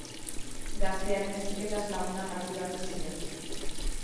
Gaztearen heziketaz lagunak arduratzen ziren.